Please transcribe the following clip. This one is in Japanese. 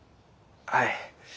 はい。